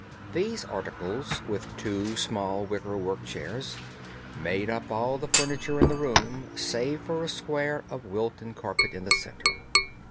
These articles, with two small wicker work chairs, made up all the furniture in the room save for a square of Wilton carpet in the centre.